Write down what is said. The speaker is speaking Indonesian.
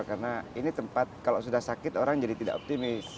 karena ini tempat kalau sudah sakit orang jadi tidak optimis